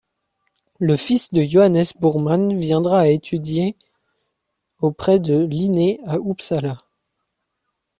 Le fils de Johannes Burman viendra étudier auprès de Linné à Uppsala.